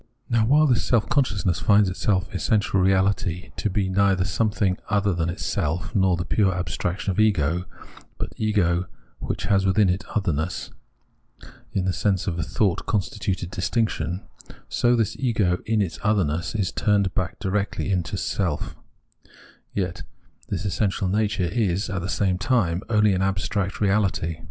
Now while this self consciousness finds its essential reahty to be neither something other than itself, nor the pure abstraction of ego, but ego which has within it otherness — otherness in the sense of a thought con stituted distinction — so that this ego in its otherness is turned back directly into itself ; yet this essential nature is, at the same time, only an abstract reahty.